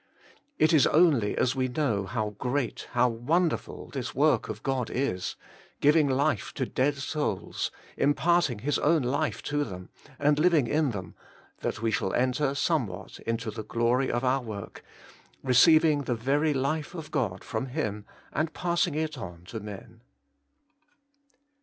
It is only as we know how great, how wonderful, this work of God is — giving life to dead souls, im parting His own life to them, and living in them — that we shall enter somewhat into Working for God 125 the glory of our work, receiving the very hfe of God from Him, and passing it on to men.